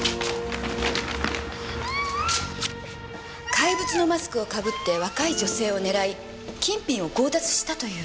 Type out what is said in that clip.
怪物のマスクを被って若い女性を狙い金品を強奪したという。